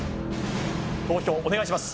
投票お願いします